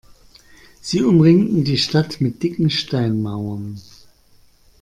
Sie umringten die Stadt mit dicken Steinmauern.